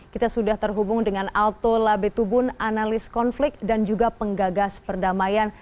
kita sudah terhubung dengan alto labetubun analis konflik dan juga penggagas perdamaian